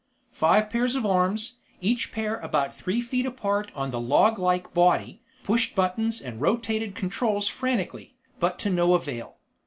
Five pairs of arms, each pair about three feet apart on the loglike body, pushed buttons and rotated controls frantically, but to no avail.